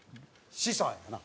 資産やな。